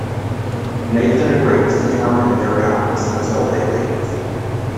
Nathan agrees to turn in their guns until they leave.